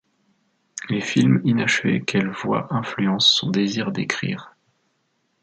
Les films inachevés qu'elle voit influencent son désir d'écrire.